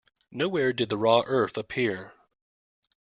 Nowhere did the raw earth appear.